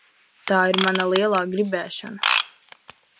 Tā ir mana lielā gribēšana.